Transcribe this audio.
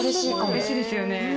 うれしいですよね。